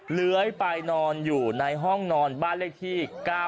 เลื้อยไปนอนอยู่ในห้องนอนบ้านเลขที่๙๙